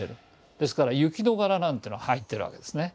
ですから雪の柄なんての入ってるわけですね。